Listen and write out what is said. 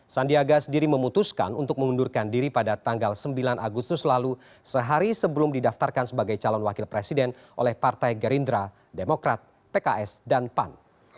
sandiaga sendiri memutuskan untuk mengundurkan diri pada tanggal sembilan agustus lalu sehari sebelum didaftarkan sebagai calon wakil presiden oleh partai gerindra demokrat pks dan pan